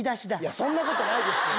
そんなことないですよ。